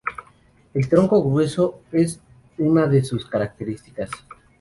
El tronco grueso es una de sus características.